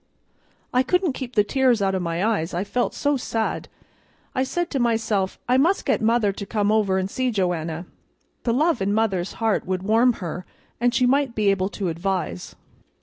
I couldn't keep the tears out o' my eyes, I felt so sad. I said to myself, I must get mother to come over an' see Joanna; the love in mother's heart would warm her, an' she might be able to advise."